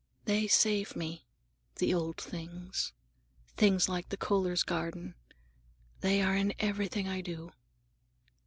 "They save me: the old things, things like the Kohlers' garden. They are in everything I do."